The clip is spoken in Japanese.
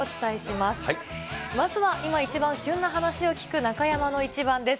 まずは今一番旬な話を聞く中山のイチバンです。